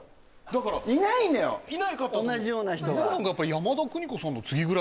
だから、いないのよ同じような人が。